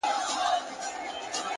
پرمختګ د دوامداره هڅې حاصل دی!